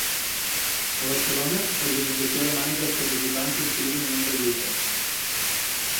A Barcelona, l’organització demana que els participants s’inscriguin en un registre.